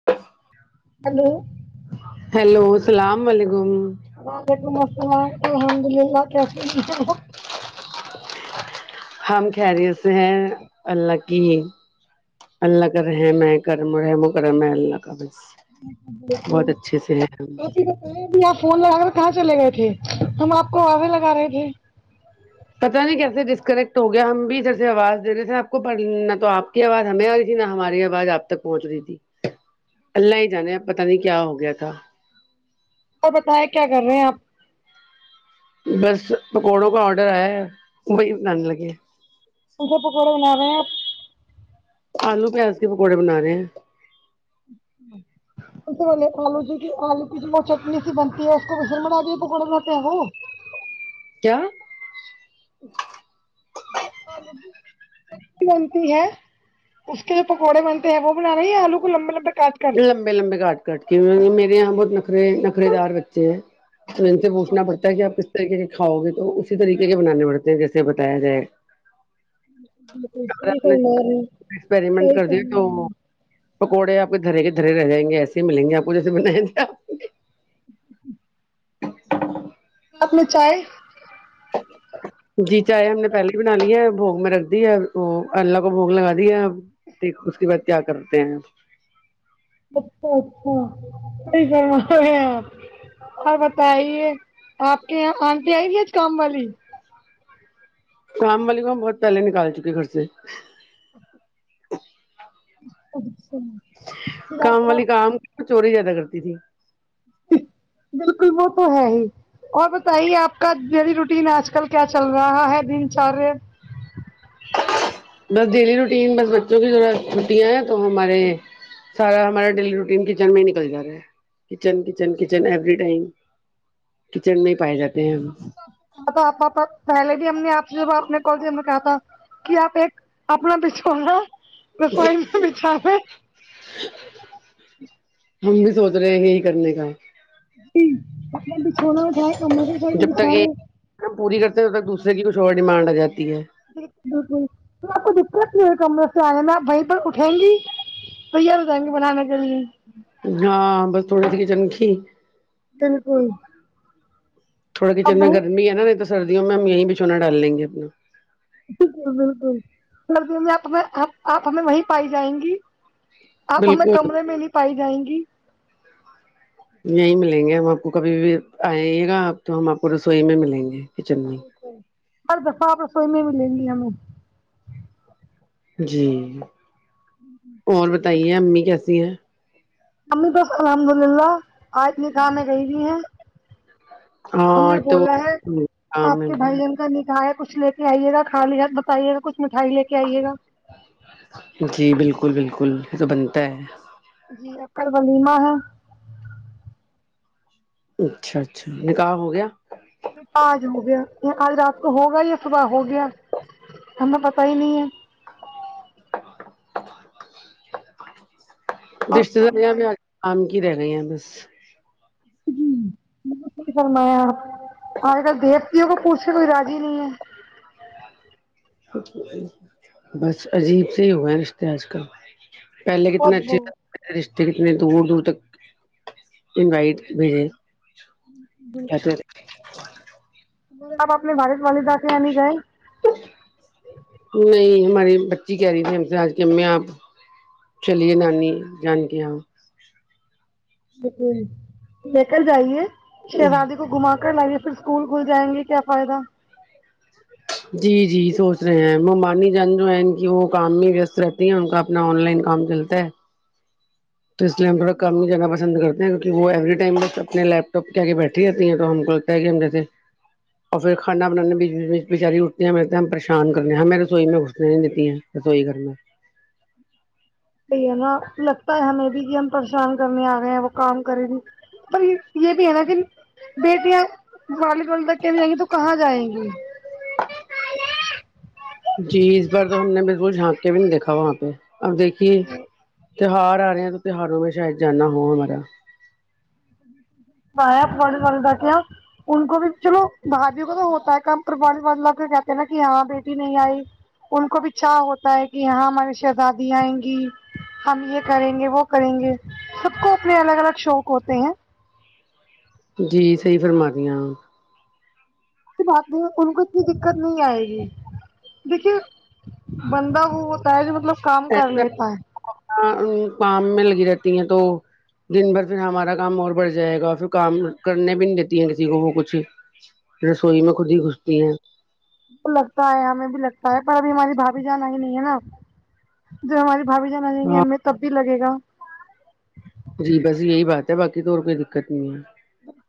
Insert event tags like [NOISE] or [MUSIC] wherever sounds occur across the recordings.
[INAUDIBLE] hello hello السلام علیکم وعلیکم السلام الحمد اللہ کیسے ہے آپ ہم خیریت سے ہیں اللہ کی اللہ کا رہم کرم رہحم کرم اللہ کا بس بہت اچھے سے ہم ے آ فون لگا کر کہاں چلے گئے تھے ہم آپ کو ووے لگا رہے تھے پتا نہیں کیسے ڈسکنیکٹ ہو گیا ہم بھی ا جھر سے آواز دینے سے آپ کو پڑھنا تو آپ آواز ہمیں اور جی نہ ہماری آواز آپ تک پہنچ رہی تھی اللہ ہی جانے اب پتا نہیں کیا ہو گیا تھا اور بتیں کیا کر رہے ہیں آپ بس پکوڑوں کا آڈر آیا ہے وہی بنانے لگے انھے پکوڑے بنا رہے ہیں آپ آلو پیاز کے پکوڑے بنا رہے ہیں [INAUDIBLE] سے بولے آلو جی کی آلو کی جو وہ چٹنی سی بنتی ہے اس کو و میں بنا کے پکوڑا باتے ہیں وہ کیا [INAUDIBLE] بنتی ہے اس کے جو پکوڑے بنتے ہیں وہ بنا رہے ہیں آلو کو لمبے لمبے کاٹ کے لمبے لمبے کااٹ کاٹ کے کی میرے یہاں بہت نخرے نخے دار بچے ہیں تو ان سے اچھا پوچھنا پڑتا ہے اچھا کہ آپ کس طریقے کے کھاؤ گے تو اسی طریقے کے بنانے پڑتے ہیں جیسے بتایا جائے بالکل ا صحیح نے فرما رہے ہیں ایکسپریمنٹ صحیح کر دیا فرما رہے تو ہیں پکوڑے آپ کے گھررے کے دھرے رہ جائ گے ایسے ملیں گے آپ کو جیسے بنائ تھے آ آپ میں چائے جی چائے ہم نے پہلے ہی بنا لی ہے بھوگ میں رکھ دی ہے وہ اللہ کو بھگ لگا دیا ہے اب ٹھیک اس کے بعد کیا کرتے ہیں اچھا اچھا کئی کر ہے آپ اور بتائیے آپ کے یہاں آنٹی آئے گی آج کام والی کام والی کو ہم بہت پہلے نکال چکے گھر سے ا [INAUDIBLE] اچھا پھر کام آپ آپ والی کام چوری زیادہ کرتی تھی بالکل وہ تو ہے ہی اور بتائیے آپ کا ڈیلی روٹین آج کل کیا چل رہا ہے دن چاریا بس ڈیلی روٹین بس بچوں کی ذرا چھوتییا ہیں تو ہمارے سارا ہمارا ڈیلی روٹین کچن میں ہی نکل جا رہا ہے kitchen kitchen kitchen every time kitchen میں ہی پائے جاتے ہیں ہم تھااپا پہلے بھی ہم نے آپ سے آپ نے کال سے ہم نے کہا تھا کہ آپ ایک اپنا پھوڑ رہا رسوائی میں بچ چھاے ہم بھی سوچ رہے ہیں یہی کرنے کا تو نے چھونا اٹھ جب تک ایک کام پوری کرتے ہیںب تک دوسرے کی کچھ اور ڈیمانڈ آ جاتی ہے بالکل بالکل تو آپ کو دقت نہیں ہو کمرے سے آئے میں آپ وہیں پر اٹھیں گی [UNINTELLIGIBLE] ہاں بس تھوڑا سا ہی چنکی بالکل تھوڑا کچن آپ میں وہیں گرمی ہے نا نہیں تو سردیوں میں ہم یہیں ب چونا ڈال لیں گے اپنا بالکل بالکل سردیوں میں آپیں آپ ہمیں وہیں پائی جائیں گی آپ ہمیں بالکل کمرے میں نہیں پائی جائیں گی یہیں ملیں گے ہم آپ کو کبھی بھی آئیے گا آپ تو ہم آپ کو رسوئی میں ملیں گے کچن میں [UNINTELLIGIBLE] جی [INAUDIBLE] اور بتائیے امی کیسی ہیں امی بس الحمد للہ آج نے میں کھانے خریدی ہیں ہم ہاں نے تو بولا ہے کام آپ کے بھائی میں- جان کا نکاح ہے تو پھر آئیے گا خالی ہاتھ بتائیے گا کچھ مٹھائی لے کے آئیے گا جی بالکل بالکل یہ تو بنتا ہے جی اکڑ ولیما ہے اچھا اچھا نکاح ہو گیا آج ہو گیا یا آج رات کو ہوگیا یا صبح ہو گیا ہمیں پتا ہی نہیں ہے [INAUDIBLE] اور رشتے داریا بھی فرمائے آم کی رہ گئی ہیں بس جی، بالکل فرمایا آپ آج کل دیوتیوں کو پوچھ سے کوئی رضی نہیں ہے بس عجیب سے ہی ہوا ہے رشتے آج کل پہلے کتنے بہت اچھے ل بہت رشتے کتنے دور دور تک انوائٹ بھیجے [INAUDIBLE] بس کہتے اب اپ نے اپنے والد والدہ سے یہاں نہیں گے نہیں ہماری بچی کہہ رہی تھی ہم سے آج کی امی آپ چلیے نانی جان کے یہاں ج لے کر جائیے شہوادی تو گھما کر لائیے پھر اسکول کھل جائیں گے کیا فائدہ جی جی سوچ رہے ہیں ممانی جان جو ہے ان کی وہ کام میں وست رہتی ہیں ان کا آن لائن کام چلتا ہے تو اس لیے تموڑا کم ہی جانا پسند کرتے ہیں کویکہ وہ ایوری ٹائم بس اپنے لیپ ٹاپ کے آگے بیٹھی رہتی ہیں تو ہم [UNINTELLIGIBLE] اور پھر کانا بنانے میں بزی بی بچاری اٹھتی ہیں بیٹھتے ہے ہم پریشان کرنے ہیں ہمیں رسوئی میں گھسنے نہیں دیتی ہیں رسویی گھر میں ہے ہے نا لگتا ہے ہمیں بھی کہ ہم پریشان کرنے آ گئے ہیں وہ کام کریں پر یہ بھی ہے نا کہ بیٹیاں والال گال تک کے بھی جائیں گی تو کہاں جائیں گی [INAUDIBLE] جی اس بار تو ہم نے بالکل جھانک کے بھی نہیں دیکھا وہاں پہ اب دیکھیے تیوار آ رہے ہیں تو تیوہاروں میں شاید جاننا ہوا ہمارا [UNINTELLIGIBLE] ان کو بھی چلو بھائبیوں کو تو ہوتا ہے کام [UNINTELLIGIBLE] کے کہتے ہیں نا کہ ہاں بیٹی نہیں آئی ان کو بھی چا ہوتا ہے کہ یہاں ہماری شہزادی آئیں گی ہم یہ کریں گے وہ کریں گے سب کو اپنے الگ الگ شوق ہوتے ہیں جی صحیح فرمارہی ے بات نہیں ان کو اتنی دقت نہیں آئے گی دیکھیے بندہ وہ ہوتا ہے جو مطلب کام کر لیتا ہے پم میں لگی رہتی ہیں تو دن بھر پھر ہمارا کام اور بڑھ جائے گا پھر کام کرنے بھی نہیں دیتی ہیں کسی کو وہ کچھ ہی رسوئی میں خود ہی گھستی ہیں ہے لگتا ہے ہمیں بھی لگتا ہے پر ابھی ہماری بھابی جان ہی نہیں ہے نا جب ہماری بھابی جان آے گی ہیں ہمیں تب بھی لگے گا جی بس یہی بات ہے بقی تو اور کوئی دقت نہیں ہے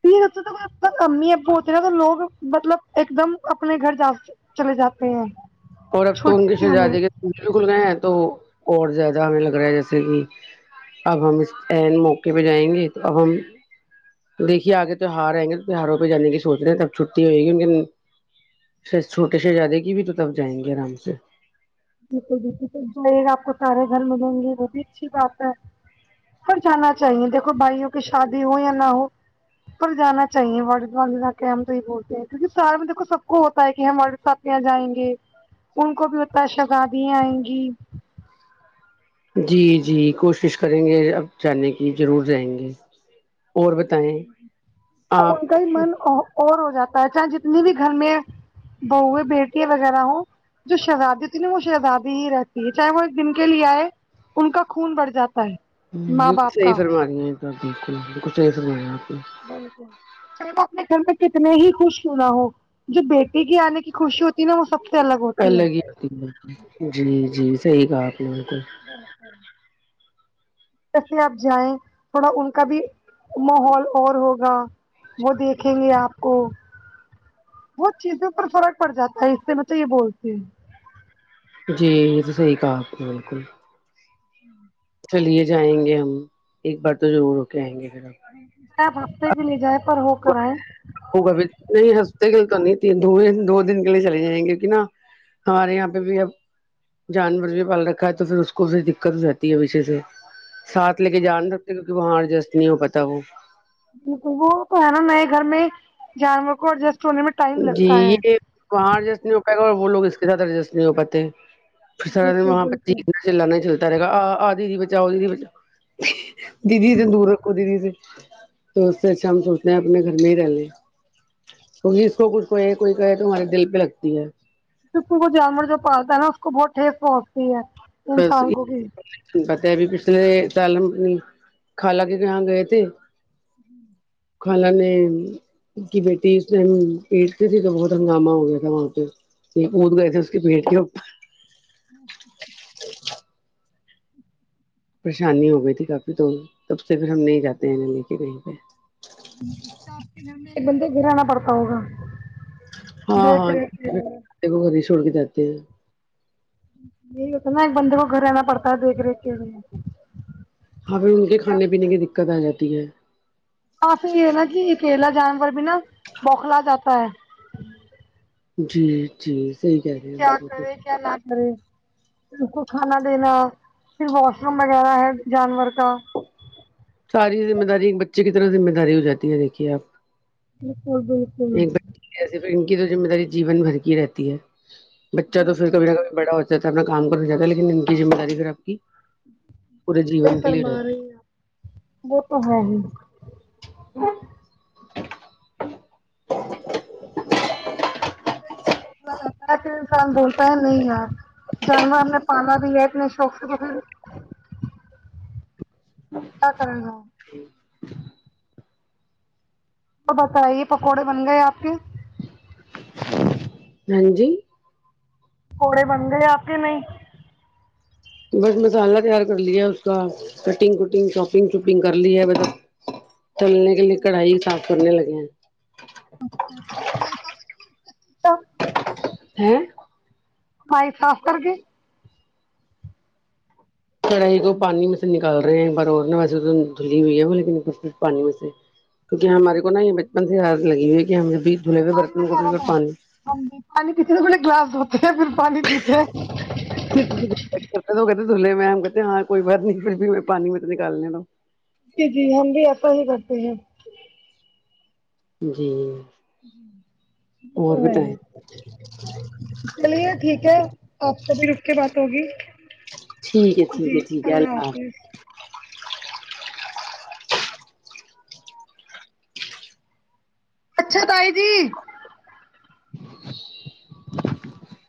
پ تو امی اب ہوتی نا تو لوگ مطلب ایک دم اپنے گھر جا چلے جاتے ہیں اور اب تو ان کے چھٹیوں میں شہزادے کے بھی کھل گئے ہیں تو اور زیادہ ہمیں لگ رہا ہے جیسے کہ اب ہم اس ا موقع پہ جائیں گے تو اب ہم دیکے آگے تیوہار آئ گے تو تہواروں پہ جان کی سوچ رہے ہیں تب چھٹی ہو گی ان چھوٹے شہزادے کی بھی تو تب جائیں گے آرام سے بالکل بالکل سب جائیے گا آپ کو سارے گھر ملیں گے وہ بھی اچھی بات ہے ہ جانا چاہیے دیکھو بھائیوں کی شادی ہو یا نہ ہو پر جانا چاہیے و جا کے ہم تو ہی بولتے ہیں کیکہ شہر میں دیکو سب کو ہوتا ہے کہ ہم سات جائیں گے ان کو بھی اتنا شگادیاں آئیں گی جی جی کوشش کریں گے اب جانے کی ضرور رہیں گے اور بتائیں [UNINTELLIGIBLE] ان آپ کا ہی من اور ہو جاتا ہے چاہے جتنی بھی گھر میں بہ ہے بیٹی ہے وغیرہ ہو [UNINTELLIGIBLE] جو شہزادی ہوتی ہے نا وہ شہزادی ہی رہتی ہے چاہے وہ ایک دن کے لیے آئے ان کا خون بڑھ جاتا ہے ہ ماں بال باپ صحی کا فرمایا ا بالکل بالکل صح فرمایا آپ بالکل چلے میں اپنے گھر پ کتنے ہی خوش کیوں نہ ہوں جو بیٹی کی آنے کی خوشی ہوتی ہے نا وہ سب سے ہوتی ہے الگ ہی آتی ب جی جی صحیح کہا آپ نے بالکل بالکل جسے آپ جائیں تھوڑا ان کا بھی ماحول اور ہوگا وہ دیکھیں گے آپ بہت چیزوں پر فرق پڑ جاتا ہے اس سے میں تو یہ بولتی ہوں جی یہ تو صحی کہا آپ نے بالکل [UNINTELLIGIBLE] ہ [INAUDIBLE] چلیے جائیں گے ہم ایک بار تو ضرور ہو کے آئیں گے پھر ہم آپ ہفتے بھی لے جائیں پر ہو کر آئ ہوگا بھی نہیں ہفتے کے لیے تو نہیں ت دو دن کے لیے چلے جائیں گے کہ نا ہمارے یہاں پہ بھی اب جانور بھی پال رکھا ہے تو پھر اس کوھر دقت بھی ج وشے سے ساتھ لے کے جان سکتے کیونکہ وہاں ا جسٹ نہیں ہو پتا وہ [UNINTELLIGIBLE] وہ تو ہے نا میں گھر میں جانور کو اور جس جی یہ وہاں اڈجسٹ نہیں ہو پائے گا اور وہ لوگ اس کے ساتھ ایڈجسٹ نہیں ہو پاتے پھر سارا دن وہاں پہ جیتنا چلانا نہیں چلتا رہے گا آ آ دی بچاؤ دیدی بچاؤ دیدی سے دور رکھو دیدی سے تو اس سے اچھا ہم سوچنا ہیں اپنے گھر میں ہی رہ لیں تو جس کو کچھ کوے کوئی کہے تو تمہارے دل پہ لگتی ہے چکہ وہ جانور جو پالتا ہے نا اس کو بہت ٹھیس پہنچتی ہے بس انسان کو بھی پتا ہے بھی پچھل سال ہمنی کا لا کے کہاں گئے تھے جی خالہ نے کی بیٹی اس ہم پیٹتے تھی تو بہت ہنگامہ ہو گیا تھا وہاں پہ اد گئے تھے اس کی بیٹ کی اچھا اچھا جی پریشانی ہو گئی تھی کافی دون تب سے پھر ہم نہیں جاتے ہیں لے کے کہیں پہ ایک بندے گرانا پڑتا ہوگا ہاں دیکھ ہاں ریکھ کے لیے، گھر ہی چھوڑ کے جاتے ہیں یہی ہوتا ہے نا ایک بندے کو گھر آنا پڑتا ہے دیکھ ریکھ کے میں ہاں پھر ان کے کھانے پینے کی دقت آ جاتی ہے آ پھر یہ نا کہ اکیلا جانور بھی نا بوکھلا جاتا ہے جی جی صحیح کہ کیا کرے کیا نہ کرے [UNINTELLIGIBLE] اس کو کھانا دینا پھر واش روم وغیرہ ہے جانور کا ساری ذمہ داری ایک بچے کی طرح ذمہ داری ہو جی ہے دیکھیے آپ بالکل بالکل سے پھر ان کی تو ذمہ داری جیون بھر کی رہتی ہے بچہ تو پھر کبھی نہ کبھی بڑا ہو جاتا ہے اپنا کام کر ہو جاتا ہے لیکن انن کی ذمہ داری اگر آپ کی پورے جیون کے لیے فرما رہتی رہی ہے وہ تو ہے ہی ہ پ انسان بولتا ہے نہیں یار جانور ہم نے پناا بھی ہے نہیں شوخ تو پھر ہاں کریں گا تو بتائیے پکوڑے بن گئے آپ کے ہاں جی پکوڑے بنگ لے آ کے نہیں بس مسالہ تیار کر لیا اس کا کٹنگ کٹنگ شاپنگ شوپنگ کر لی ہے ب تلنے کے لیے کڑھائی صاف کرنے لگے ہیں اچھا اچھا ہ بائی صاف کر کے چڑائی کو پانی میں سے نکال رہے ہیں ایک بار اور نے ویسے تو دھلی ہوئی ہے وہ لیکن کچ پانی میں سے کیکہ ہمارے کو نا یہ بچپن سے یاد لگی ہوئی کہ ہمیں بھی دھلے ہوئے پانی برتنوں بڑی کو پھر حالت پانی ہے پانی پیتے تو بڑے گلاس دھتے ہیں پھر پانی پیتے کہتے دلہے میم کہتے ہاں کوئی بات نہیں پھر پانی میں تو نکالنے تو جی جی ہم بھی ایسا ہی کرتے ہیں جی جی ب تو اور ہے بتائیں چلیے ٹھیک ہے آپ کبھی رک کے بات ہوگی ٹھیک ہے ٹھیک ہے ٹھیک ہے اللہ حافظ اچھا تائی جی [UNINTELLIGIBLE]